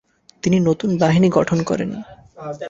তিনি নতুন বাহিনী গঠন করেন।